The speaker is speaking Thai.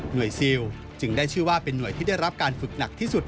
ซิลจึงได้ชื่อว่าเป็นห่วยที่ได้รับการฝึกหนักที่สุด